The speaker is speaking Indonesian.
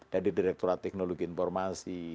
dari direktorat teknologi informasi